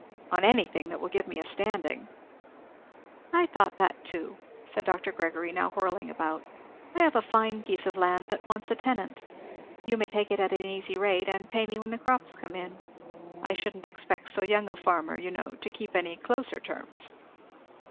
"On anything, that will give me a standing." "I thought that too," said Dr. Gregory, now whirling about. "I have a fine piece of land that wants a tenant. You may take it at an easy rate, and pay me when the crops come in. I shouldn't expect so young a farmer, you know, to keep any closer terms."